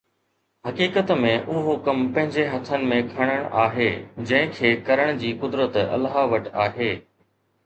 حقيقت ۾ اهو ڪم پنهنجي هٿن ۾ کڻڻ آهي، جنهن کي ڪرڻ جي قدرت الله وٽ آهي